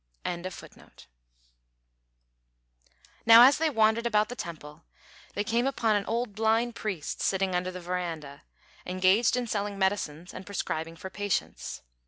Now as they wandered about the temple they came upon an old blind priest sitting under the verandah, engaged in selling medicines and prescribing for patients.